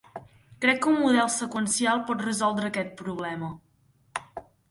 Crec que un model seqüencial pot resoldre aquest problema.